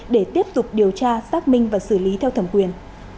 để tiếp tục điều tra xác minh và xử lý theo thẩm quyền